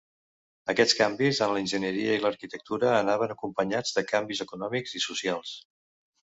Aquests canvis en l'enginyeria i l'arquitectura anaven acompanyats de canvis econòmics i socials.